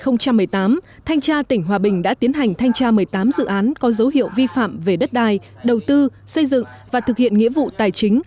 năm hai nghìn một mươi tám thanh tra tỉnh hòa bình đã tiến hành thanh tra một mươi tám dự án có dấu hiệu vi phạm về đất đai đầu tư xây dựng và thực hiện nghĩa vụ tài chính